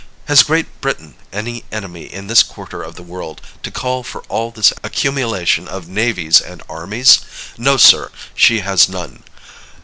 Has Great Britain any enemy in this quarter of the world, to call for all this accumulation of navies and armies? No, sir, she has none.